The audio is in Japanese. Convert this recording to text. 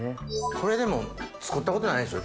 これでも作ったことないでしょ？